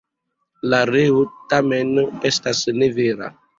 La reo tamen, estas ne vera.